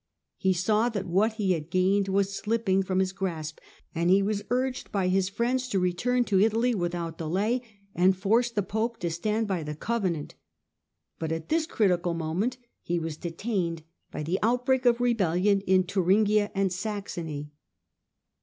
He saw that what he had gained was slipping from his grasp, and he was urged by his friends to return to Italy without delay, and force the pope to stand by the covenant ; but at this critical moment he was detained by the outbreak of rebellion in Thuringia and Saxony.